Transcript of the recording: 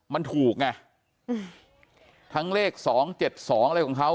มันถูกไงทั้งเลข๒๗๒อะไรของเขา